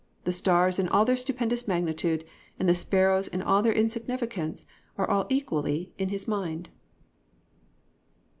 The stars in all their stupendous magnitude and the sparrows in all their insignificance are all equally in His mind.